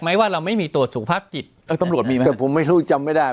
ว่าเราไม่มีตรวจสุขภาพจิตเออตำรวจมีไหมแต่ผมไม่รู้จำไม่ได้